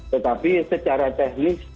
tetapi secara teknis